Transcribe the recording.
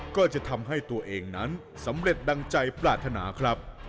ก็จะทำให้ตัวเองนั้นสำเร็จดังใจปรารถนาครับ